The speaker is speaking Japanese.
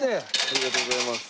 ありがとうございます。